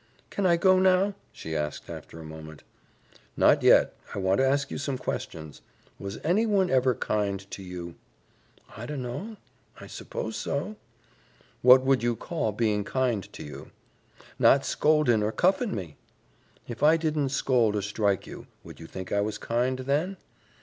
"Can I go now?" she asked after a moment. "Not yet. I want to ask you some questions. Was anyone ever kind to you?" "I dunno. I suppose so." "What would you call being kind to you?" "Not scoldin' or cuffin' me." "If I didn't scold or strike you, would you think I was kind, then?"